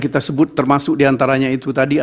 kita sebut termasuk diantaranya itu tadi